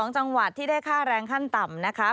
๒จังหวัดที่ได้ค่าแรงขั้นต่ำนะคะ